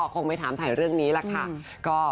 คงไปถามถ่ายเรื่องนี้แหละ